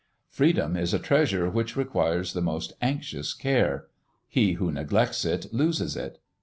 Freedom is a treasure which requires the most anxious care; he who neglects it, loses it.